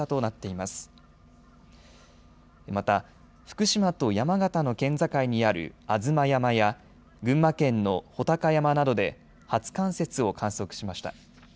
また福島と山形の県境にある吾妻山や群馬県の武尊山などで初冠雪を観測しました。